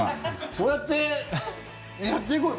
そうやって、やっていこうよ。